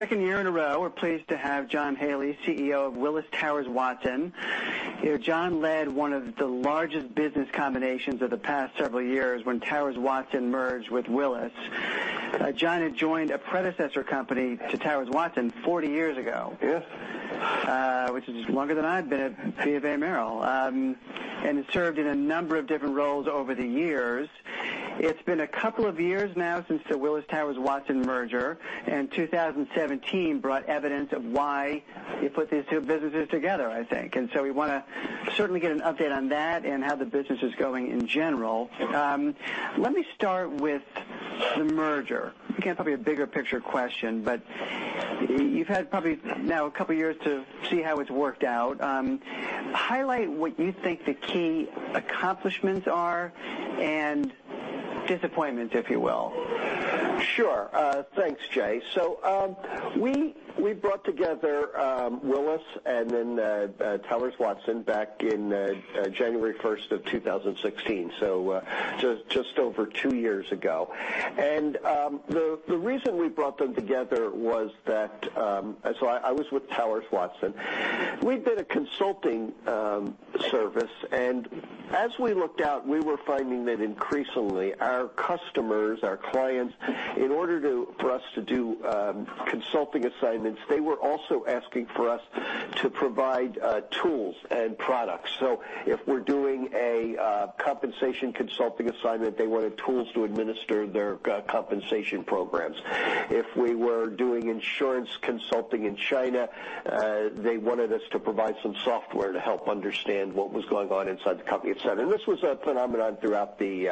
Second year in a row, we're pleased to have John Haley, CEO of Willis Towers Watson. John led one of the largest business combinations of the past several years when Towers Watson merged with Willis. John had joined a predecessor company to Towers Watson 40 years ago. Yes. Which is longer than I've been at BofA Merrill, has served in a number of different roles over the years. It's been a couple of years now since the Willis Towers Watson merger, 2017 brought evidence of why you put these two businesses together, I think. We want to certainly get an update on that and how the business is going in general. Let me start with the merger. Again, probably a bigger picture question, but you've had probably now a couple of years to see how it's worked out. Highlight what you think the key accomplishments are, and disappointments, if you will. Sure. Thanks, Jay. We brought together Willis and Towers Watson back in January 1st of 2016, just over two years ago. The reason we brought them together was that I was with Towers Watson. We'd been a consulting service, as we looked out, we were finding that increasingly our customers, our clients, in order for us to do consulting assignments, they were also asking for us to provide tools and products. If we're doing a compensation consulting assignment, they wanted tools to administer their compensation programs. If we were doing insurance consulting in China, they wanted us to provide some software to help understand what was going on inside the company, et cetera. This was a phenomenon throughout the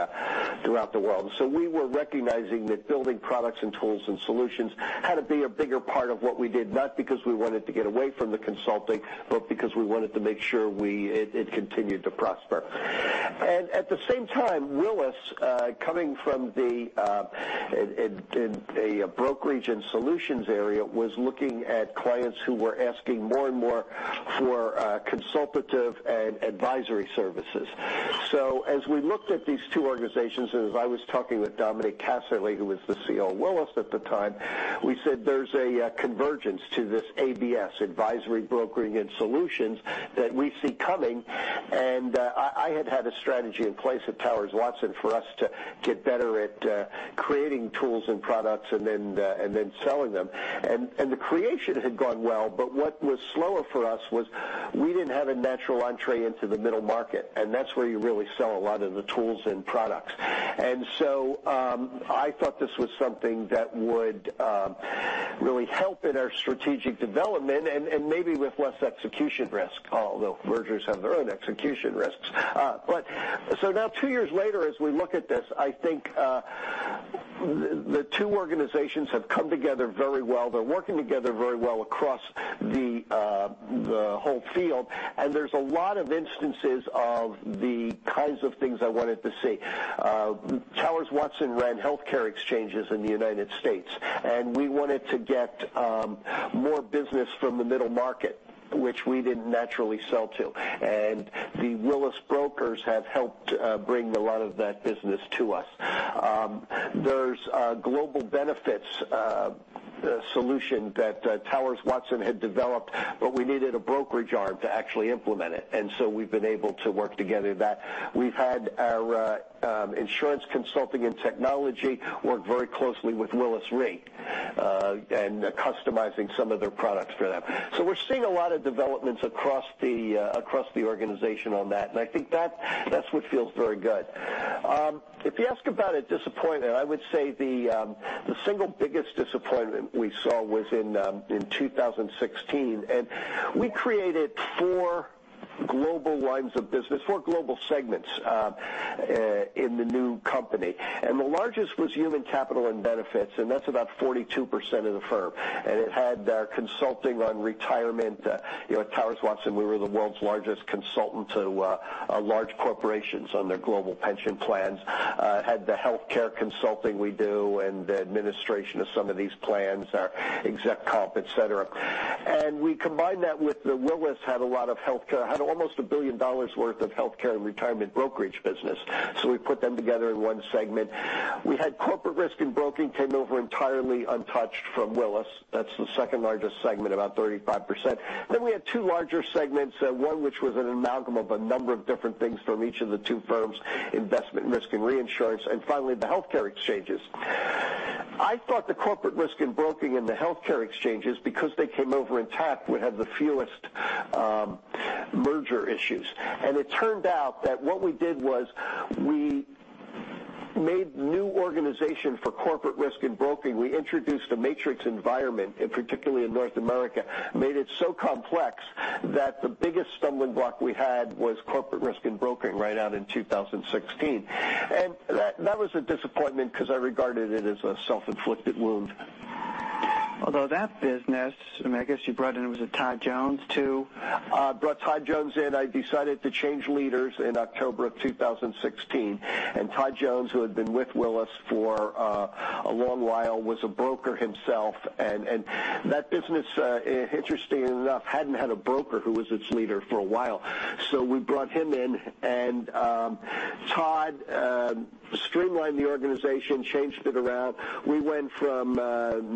world. We were recognizing that building products and tools and solutions had to be a bigger part of what we did, not because we wanted to get away from the consulting, but because we wanted to make sure it continued to prosper. At the same time, Willis, coming from the brokerage and solutions area, was looking at clients who were asking more and more for consultative and advisory services. As we looked at these two organizations, as I was talking with Dominic Casserley, who was the CEO of Willis at the time, we said there's a convergence to this ABS, advisory, brokering, and solutions, that we see coming. I had had a strategy in place at Towers Watson for us to get better at creating tools and products and then selling them. The creation had gone well, but what was slower for us was we didn't have a natural entree into the middle market, and that's where you really sell a lot of the tools and products. I thought this was something that would really help in our strategic development and maybe with less execution risk, although mergers have their own execution risks. Now 2 years later, as we look at this, I think the two organizations have come together very well. They're working together very well across the whole field, and there's a lot of instances of the kinds of things I wanted to see. Towers Watson ran healthcare exchanges in the U.S., and we wanted to get more business from the middle market, which we didn't naturally sell to. The Willis brokers have helped bring a lot of that business to us. There's a Global Benefits solution that Towers Watson had developed, but we needed a brokerage arm to actually implement it. We've been able to work together in that. We've had our Insurance Consulting and Technology work very closely with Willis Re, customizing some of their products for them. We're seeing a lot of developments across the organization on that, and I think that's what feels very good. If you ask about a disappointment, I would say the single biggest disappointment we saw was in 2016. We created four global lines of business, four global segments in the new company. The largest was Human Capital and Benefits, and that's about 42% of the firm. It had consulting on retirement. Towers Watson, we were the world's largest consultant to large corporations on their global pension plans. It had the healthcare consulting we do and the administration of some of these plans, our exec comp, et cetera. We combined that with the Willis had a lot of healthcare, had almost $1 billion worth of healthcare and retirement brokerage business. We put them together in one segment. We had Corporate Risk and Broking came over entirely untouched from Willis. That's the second largest segment, about 35%. We had two larger segments, one which was an amalgam of a number of different things from each of the two firms, Investment, Risk and Reinsurance, and finally, the healthcare exchanges. I thought the Corporate Risk and Broking and the healthcare exchanges, because they came over intact, would have the fewest merger issues. It turned out that what we did was we made new organization for Corporate Risk and Broking. We introduced a matrix environment, particularly in North America, made it so complex that the biggest stumbling block we had was Corporate Risk and Broking right out in 2016. That was a disappointment because I regarded it as a self-inflicted wound. Although that business, I guess you brought in, was it Todd Jones, too? I brought Todd Jones in. I decided to change leaders in October of 2016. Todd Jones, who had been with Willis for a long while, was a broker himself. That business, interestingly enough, hadn't had a broker who was its leader for a while. We brought him in, and Todd streamlined the organization, changed it around. We went from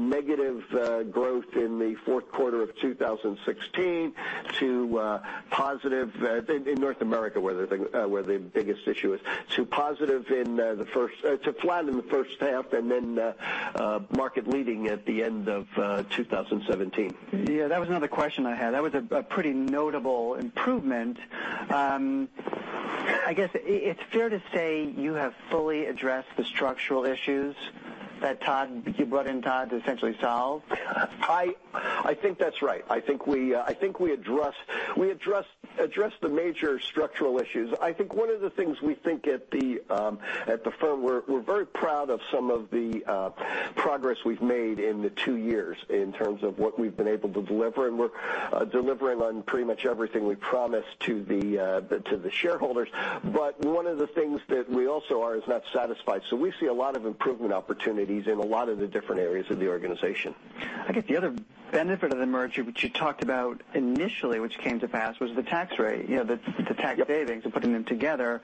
negative growth in the fourth quarter of 2016 to positive, in North America, where the biggest issue is, to flat in the first half, and then market leading at the end of 2017. Yeah, that was another question I had. That was a pretty notable improvement. I guess it's fair to say you have fully addressed the structural issues that you brought in Todd to essentially solve? I think that's right. I think we addressed the major structural issues. I think one of the things we think at the firm, we're very proud of some of the progress we've made in the two years in terms of what we've been able to deliver, and we're delivering on pretty much everything we promised to the shareholders. One of the things that we also are is not satisfied. We see a lot of improvement opportunities in a lot of the different areas of the organization. I guess the other benefit of the merger, which you talked about initially, which came to pass, was the tax rate, the tax savings and putting them together.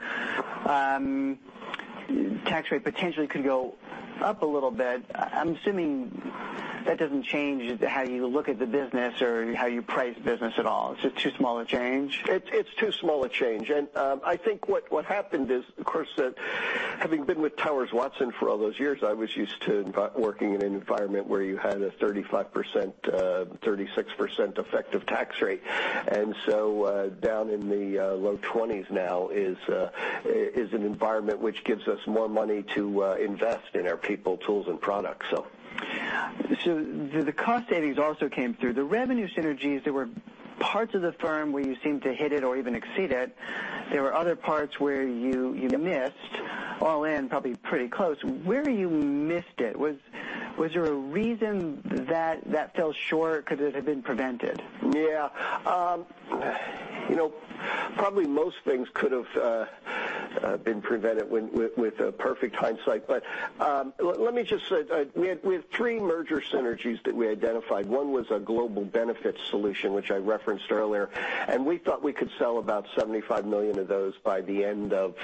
Tax rate potentially could go up a little bit. I'm assuming that doesn't change how you look at the business or how you price business at all. Is it too small a change? It's too small a change. I think what happened is, of course, having been with Towers Watson for all those years, I was used to working in an environment where you had a 35%, 36% effective tax rate. Down in the low 20s now is an environment which gives us more money to invest in our people, tools, and products. The cost savings also came through. The revenue synergies, there were parts of the firm where you seemed to hit it or even exceed it. There were other parts where you missed, all in probably pretty close. Where you missed it, was there a reason that fell short? Could it have been prevented? Yeah. Probably most things could have been prevented with perfect hindsight. Let me just say, we had three merger synergies that we identified. One was a Global Benefits solution, which I referenced earlier, and we thought we could sell about $75 million of those by the end of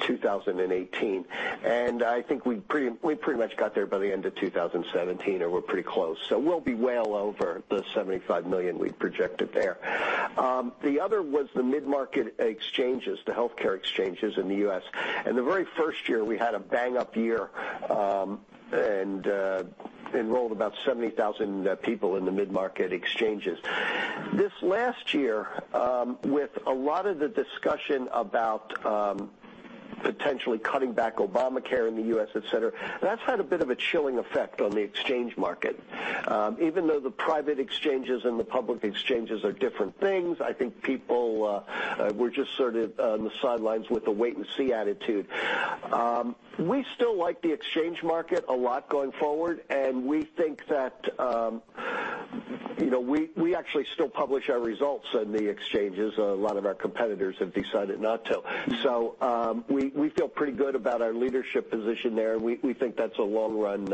2018. I think we pretty much got there by the end of 2017, or we're pretty close. We'll be well over the $75 million we'd projected there. The other was the mid-market exchanges, the healthcare exchanges in the U.S. The very first year, we had a bang-up year and enrolled about 70,000 people in the mid-market exchanges. This last year, with a lot of the discussion about potentially cutting back Obamacare in the U.S., et cetera, that's had a bit of a chilling effect on the exchange market. Even though the private exchanges and the public exchanges are different things, I think people were just sort of on the sidelines with a wait and see attitude. We still like the exchange market a lot going forward. We think that we actually still publish our results in the exchanges. A lot of our competitors have decided not to. We feel pretty good about our leadership position there. We think that's a long-run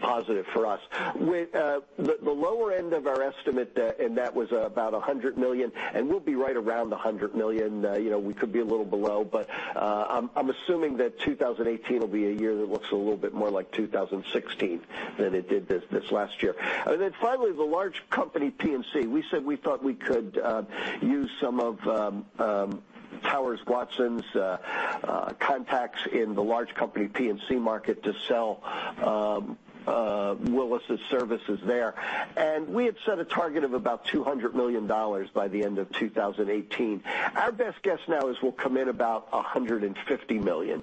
positive for us. The lower end of our estimate, that was about $100 million. We'll be right around the $100 million. We could be a little below. I'm assuming that 2018 will be a year that looks a little bit more like 2016 than it did this last year. Finally, the large company P&C. We said we thought we could use some of Towers Watson's contacts in the large company P&C market to sell Willis' services there. We had set a target of about $200 million by the end of 2018. Our best guess now is we'll come in about $150 million.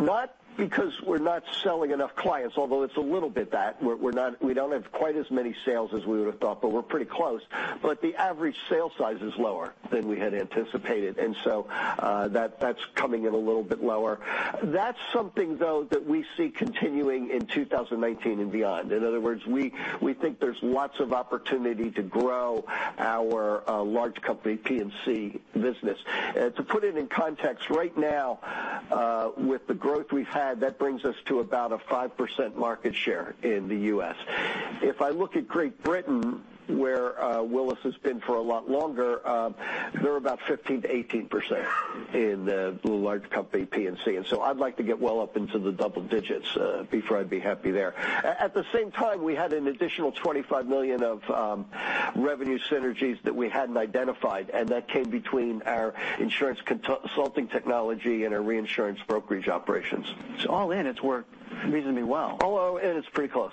Not because we're not selling enough clients, although it's a little bit that. We don't have quite as many sales as we would've thought. We're pretty close. The average sale size is lower than we had anticipated. That's coming in a little bit lower. That's something, though, that we see continuing in 2019 and beyond. In other words, we think there's lots of opportunity to grow our large company P&C business. To put it in context, right now with the growth we've had, that brings us to about a 5% market share in the U.S. If I look at Great Britain, where Willis has been for a lot longer, they're about 15%-18% in the large company P&C. I'd like to get well up into the double digits before I'd be happy there. At the same time, we had an additional $25 million of revenue synergies that we hadn't identified, and that came between our Insurance Consulting and Technology and our reinsurance brokerage operations. All in, it's worked reasonably well. All in, it is pretty close.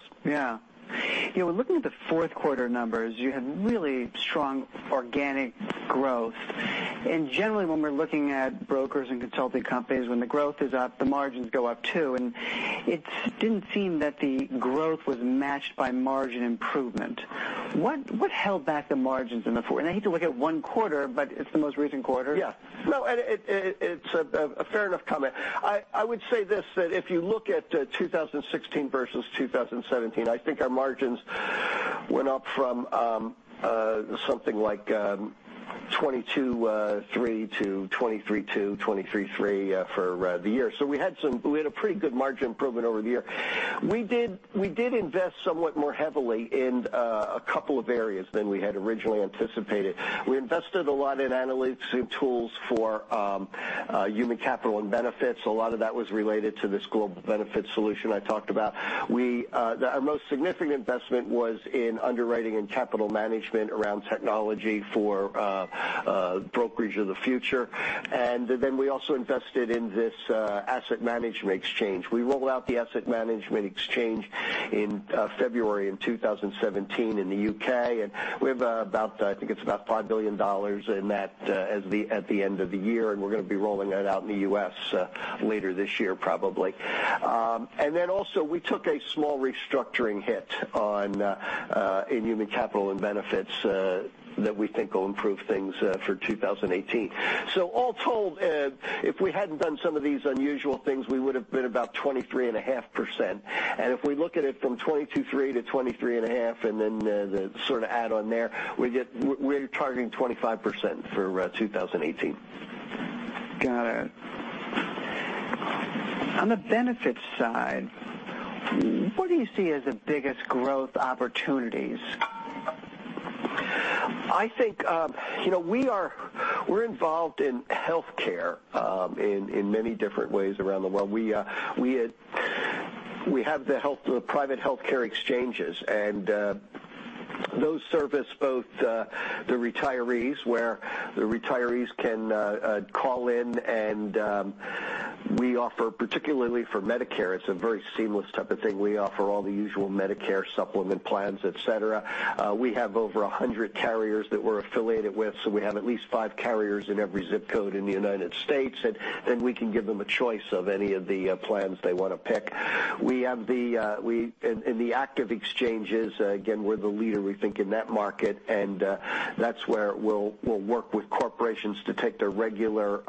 Looking at the fourth quarter numbers, you had really strong organic growth. Generally, when we are looking at brokers and consulting companies, when the growth is up, the margins go up, too. It did not seem that the growth was matched by margin improvement. What held back the margins, and I hate to look at one quarter, but it is the most recent quarter? It is a fair enough comment. I would say this, that if you look at 2016 versus 2017, I think our margins went up from something like 22.3% to 23.2%, 23.3% for the year. We had a pretty good margin improvement over the year. We did invest somewhat more heavily in a couple of areas than we had originally anticipated. We invested a lot in analytics and tools for Human Capital and Benefits. A lot of that was related to this Global Benefits solution I talked about. Our most significant investment was in underwriting and capital management around technology for brokerage of the future. We also invested in The Asset Management Exchange. We rolled out The Asset Management Exchange in February of 2017 in the U.K. We have about, I think it is about $5 billion in that at the end of the year. We are going to be rolling that out in the U.S. later this year probably. Also, we took a small restructuring hit in Human Capital and Benefits that we think will improve things for 2018. All told, if we had not done some of these unusual things, we would have been about 23.5%. If we look at it from 22.3%-23.5%, and then the sort of add on there, we are targeting 25% for 2018. Got it. On the benefits side, what do you see as the biggest growth opportunities? We're involved in healthcare in many different ways around the world. We have the private Exchange Solutions, those service both the retirees, where the retirees can call in and we offer, particularly for Medicare, it's a very seamless type of thing. We offer all the usual Medicare supplement plans, et cetera. We have over 100 carriers that we're affiliated with, so we have at least five carriers in every ZIP code in the U.S., and we can give them a choice of any of the plans they want to pick. In the active exchanges, again, we're the leader, we think, in that market, that's where we'll work with corporations to take their regular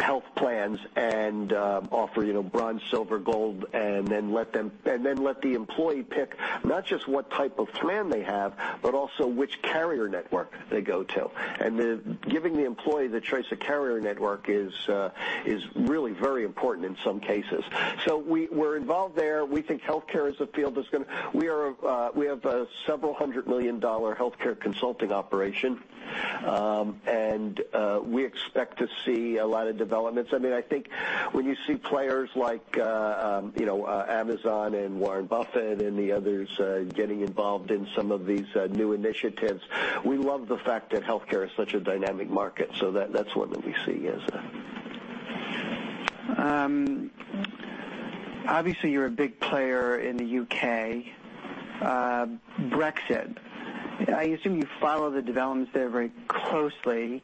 health plans and offer bronze, silver, gold, and then let the employee pick not just what type of plan they have, but also which carrier network they go to. Giving the employee the choice of carrier network is really very important in some cases. We're involved there. We think healthcare is a field that's going to we have a several hundred million dollar healthcare consulting operation. We expect to see a lot of developments. I think when you see players like Amazon and Warren Buffett and the others getting involved in some of these new initiatives, we love the fact that healthcare is such a dynamic market. That's one that we see, yes. Obviously, you're a big player in the U.K. Brexit. I assume you follow the developments there very closely.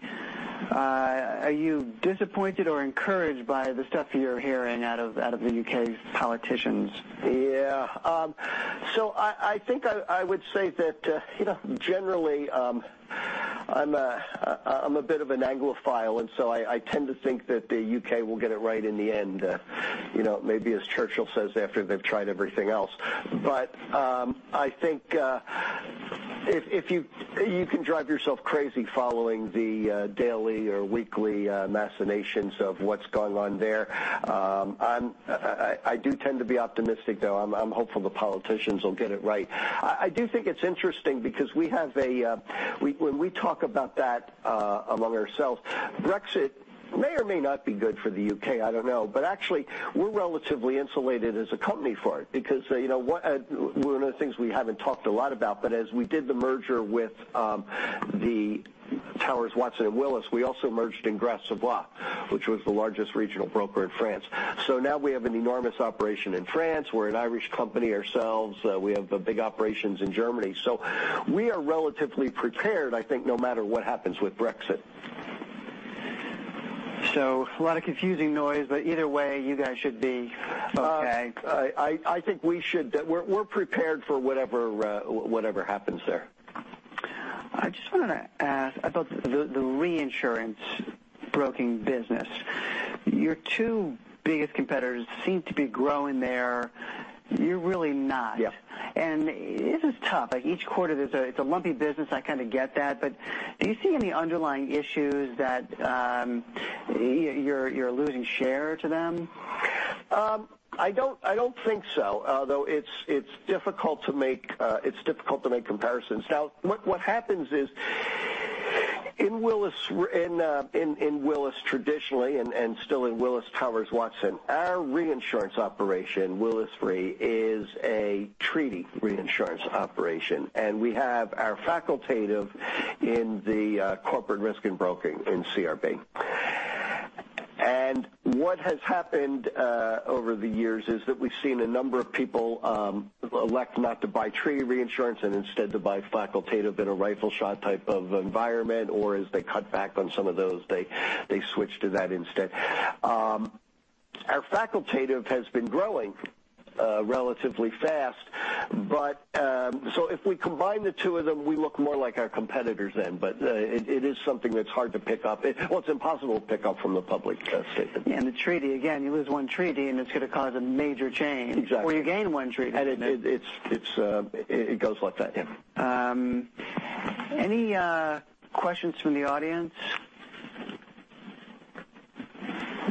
Are you disappointed or encouraged by the stuff you're hearing out of the U.K.'s politicians? I think I would say that generally, I'm a bit of an Anglophile, and so I tend to think that the U.K. will get it right in the end. Maybe as Churchill says, after they've tried everything else. I think you can drive yourself crazy following the daily or weekly machinations of what's going on there. I do tend to be optimistic, though. I'm hopeful the politicians will get it right. I do think it's interesting because when we talk about that among ourselves, Brexit may or may not be good for the U.K., I don't know. Actually, we're relatively insulated as a company for it because one of the things we haven't talked a lot about, but as we did the merger with Towers Watson and Willis, we also merged in Gras Savoye, which was the largest regional broker in France. Now we have an enormous operation in France. We're an Irish company ourselves. We have big operations in Germany. We are relatively prepared, I think, no matter what happens with Brexit. A lot of confusing noise, either way, you guys should be okay. I think we're prepared for whatever happens there. I just wanted to ask about the reinsurance broking business. Your two biggest competitors seem to be growing there. You're really not. Yeah. This is tough. Each quarter, it's a lumpy business. I kind of get that. Do you see any underlying issues that you're losing share to them? I don't think so. Although it's difficult to make comparisons. What happens is in Willis traditionally, and still in Willis Towers Watson, our reinsurance operation, Willis Re, is a treaty reinsurance operation, and we have our facultative in the Corporate Risk and Broking in CRB. What has happened over the years is that we've seen a number of people elect not to buy treaty reinsurance and instead to buy facultative in a rifle shot type of environment, or as they cut back on some of those, they switch to that instead. Our facultative has been growing relatively fast. If we combine the two of them, we look more like our competitors then. It is something that's hard to pick up. Well, it's impossible to pick up from the public statement. The treaty, again, you lose one treaty, and it's going to cause a major change. Exactly. You gain one treaty. It goes like that. Yeah. Any questions from the audience?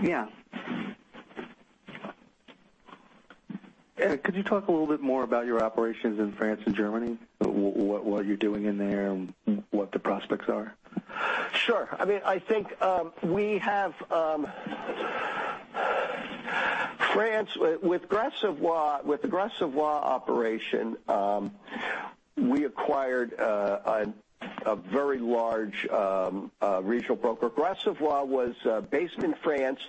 Yeah. Could you talk a little bit more about your operations in France and Germany, what you're doing in there and what the prospects are? Sure. I think France, with the Gras Savoye operation, we acquired a very large regional broker. Gras Savoye was based in France,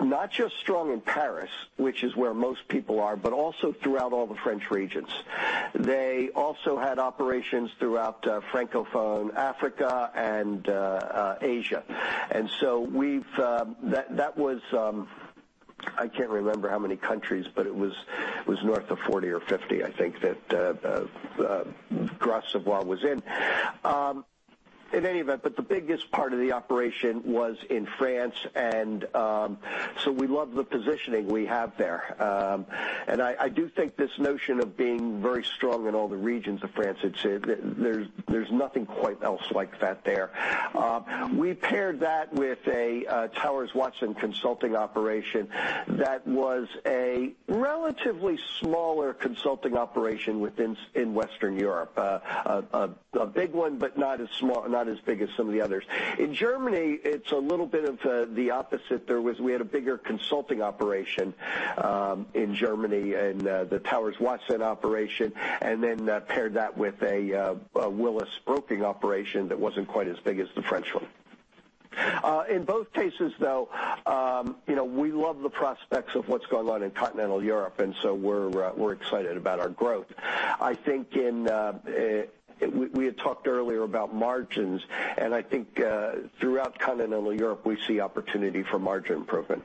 not just strong in Paris, which is where most people are, but also throughout all the French regions. They also had operations throughout Francophone Africa and Asia. That was, I can't remember how many countries, but it was north of 40 or 50, I think, that Gras Savoye was in. In any event, the biggest part of the operation was in France, and so we love the positioning we have there. I do think this notion of being very strong in all the regions of France, there's nothing quite else like that there. We paired that with a Towers Watson consulting operation that was a relatively smaller consulting operation in Western Europe. A big one, but not as big as some of the others. In Germany, it's a little bit of the opposite. We had a bigger consulting operation in Germany in the Towers Watson operation, then paired that with a Willis broking operation that wasn't quite as big as the French one. In both cases, though, we love the prospects of what's going on in continental Europe. We're excited about our growth. We had talked earlier about margins. I think throughout continental Europe, we see opportunity for margin improvement.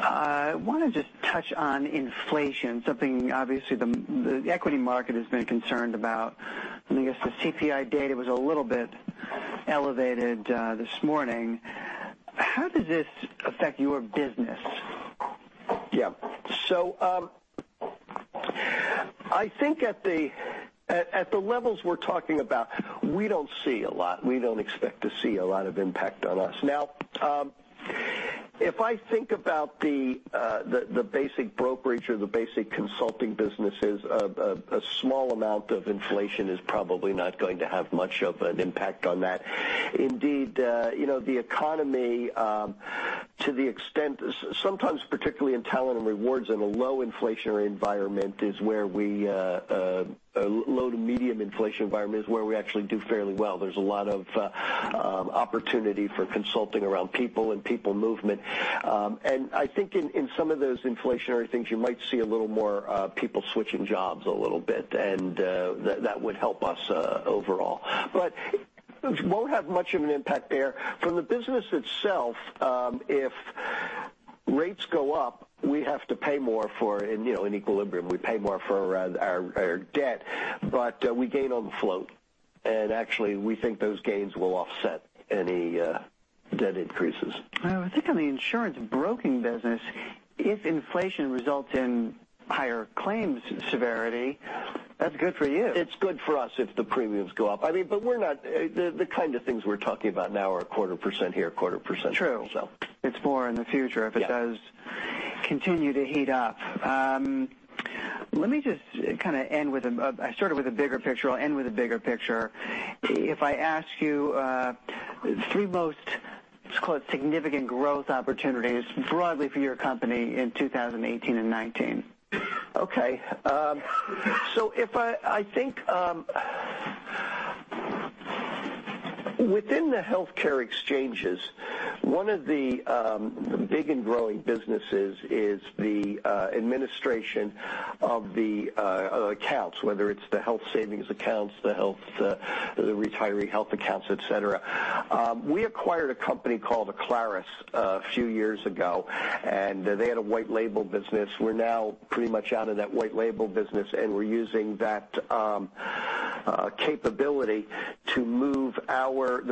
I want to just touch on inflation, something obviously the equity market has been concerned about. I guess the CPI data was a little bit elevated this morning. How does this affect your business? Yeah. I think at the levels we're talking about, we don't see a lot. We don't expect to see a lot of impact on us. Now, if I think about the basic brokerage or the basic consulting businesses, a small amount of inflation is probably not going to have much of an impact on that. Indeed, the economy, sometimes, particularly in Talent and Rewards in a low inflationary environment, low to medium inflation environment is where we actually do fairly well. There's a lot of opportunity for consulting around people and people movement. I think in some of those inflationary things, you might see a little more people switching jobs a little bit, and that would help us overall. It won't have much of an impact there. From the business itself, if rates go up, in equilibrium, we pay more for our debt. We gain on the float. Actually, we think those gains will offset any debt increases. I would think on the insurance broking business, if inflation results in higher claims severity, that's good for you. It's good for us if the premiums go up. The kind of things we're talking about now are a quarter % here, a quarter % there. True. It's more in the future if it does continue to heat up. Yeah. Let me just end with, I started with a bigger picture, I'll end with a bigger picture. If I ask you three most, let's call it significant growth opportunities broadly for your company in 2018 and 2019? I think within the healthcare exchanges, one of the big and growing businesses is the administration of the accounts, whether it's the Health Savings Accounts, the retiree health accounts, et cetera. We acquired a company called Acclaris a few years ago, and they had a white label business. We're now pretty much out of that white label business, and we're using that capability to move the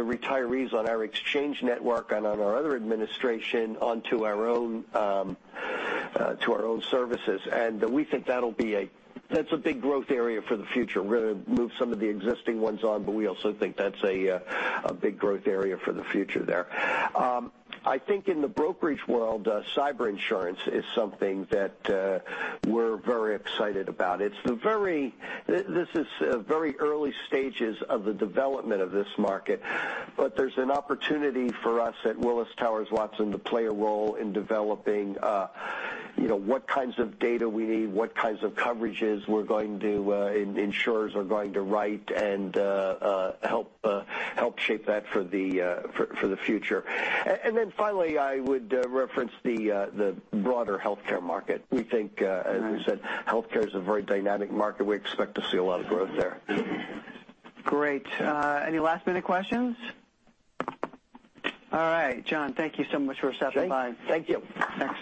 retirees on our exchange network and on our other administration onto our own services. We think that's a big growth area for the future. We're going to move some of the existing ones on, but we also think that's a big growth area for the future there. I think in the brokerage world, cyber insurance is something that we're very excited about. This is very early stages of the development of this market. There's an opportunity for us at Willis Towers Watson to play a role in developing what kinds of data we need, what kinds of coverages insurers are going to write, and help shape that for the future. Finally, I would reference the broader healthcare market. We think, as we said, healthcare is a very dynamic market. We expect to see a lot of growth there. Great. Any last-minute questions? All right. John, thank you so much for stopping by. Thank you. Excellent.